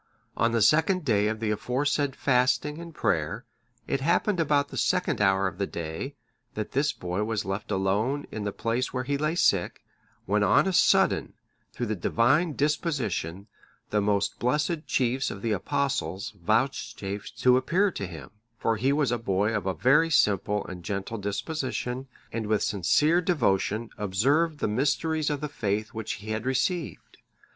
On the second day of the aforesaid fasting and prayer, it happened about the second hour of the day, that this boy was left alone in the place where he lay sick, when on a sudden, through the Divine disposition, the most blessed chiefs of the Apostles vouchsafed to appear to him; for he was a boy of a very simple and gentle disposition, and with sincere devotion observed the mysteries of the faith which he had received.